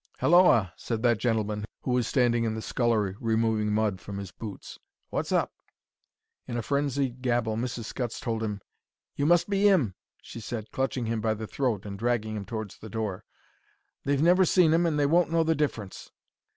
"Halloa!" said that gentleman, who was standing in the scullery removing mud from his boots. "What's up?" In a frenzied gabble Mrs. Scutts told him. "You must be 'im," she said, clutching him by the coat and dragging him towards the door. "They've never seen 'im, and they won't know the difference."